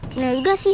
bener juga sih